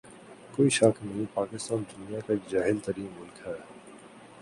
کوئی شک نہیں پاکستان دنیا کا جاھل ترین ملک ہے